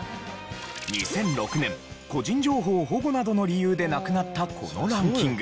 ２００６年個人情報保護などの理由でなくなったこのランキング。